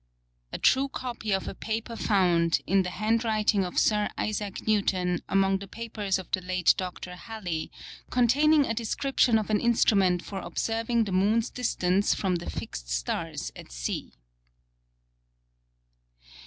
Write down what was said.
A true Copy of a Paper found, in the Hand Writing of Sir Isaac Newton, among the Papers of the late Dr. Halley, containing a Description of an Instrument for observing the Moon's Distance from the Fixt Stars at Sea.